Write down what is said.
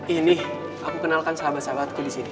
ini aku kenalkan sahabat sahabatku di sini